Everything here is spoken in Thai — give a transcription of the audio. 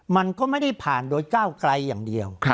มันก็ไม่ได้ผ่านโดยก้าวไกลอย่างเดียว